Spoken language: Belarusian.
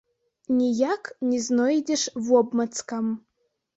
Ніяк не знойдзеш вобмацкам.